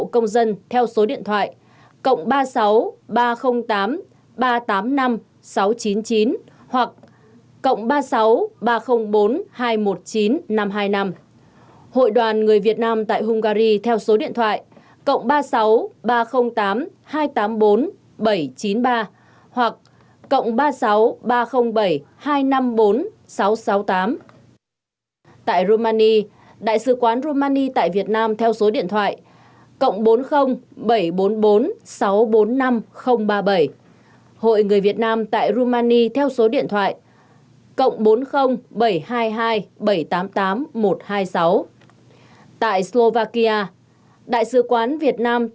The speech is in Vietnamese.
kiêm nhiệm moldova theo số điện thoại